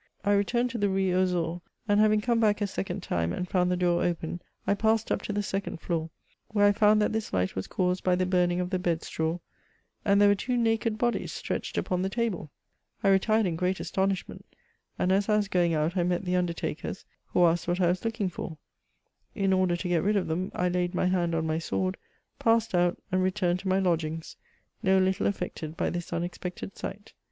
I returned to the Rue aux Ours, and, having come back a second time, and foimd the door open, I passed up to the second fl6or, where I found that this Hght was caused by the burning of the bed straw, and there were two naked bodies stretched upon the table. I retired in great astonish ment ; and, as I was going out, I met the undertakers, who asked what I was looking for ; in order to get rid of them, I laid my hand on my sword, passed out, and returned to my lodgings, no little affected by this unexpected sight."